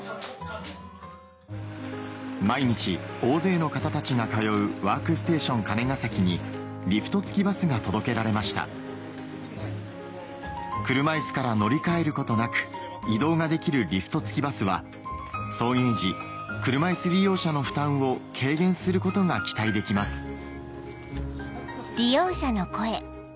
毎日大勢の方たちが通うワークステーションかねがさきにリフト付きバスが届けられました車いすから乗り換えることなく移動ができるリフト付きバスは送迎時車いす利用者の負担を軽減することが期待できます